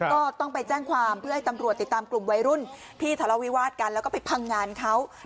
ก็ต้องไปแจ้งความเพื่อให้ตำรวจติดตามกลุ่มวัยรุ่นที่ทะเลาวิวาสกันแล้วก็ไปพังงานเขา